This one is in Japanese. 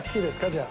じゃあ。